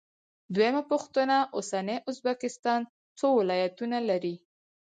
دویمه پوښتنه: اوسنی ازبکستان څو ولایتونه لري؟